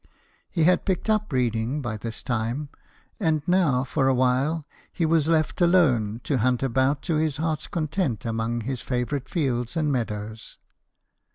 He had picked up reading by this time, and now for a while he was left alone to hunt about to his heart's content among his favourite fields and meadows.